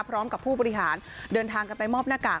พร้อมกับผู้บริหารเดินทางกลับไปมอบหน้ากาก